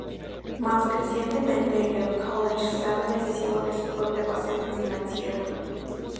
Más recientemente el college se ha beneficiado de su fuerte base financiera.